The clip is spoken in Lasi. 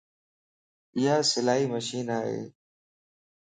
ايا سلائي مشين ائي